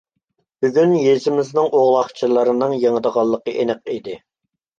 بۈگۈن يېزىمىزنىڭ ئوغلاقچىلىرىنىڭ يېڭىدىغانلىقى ئېنىق ئىدى.